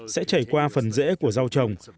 sẽ chảy qua phần rễ của rau trồng